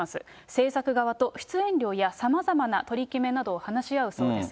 制作側と出演料やさまざまな取り決めなどを話し合うそうです。